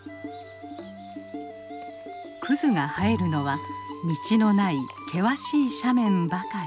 クズが生えるのは道のない険しい斜面ばかり。